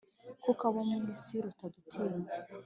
kuko abo mu isi rutadutinya.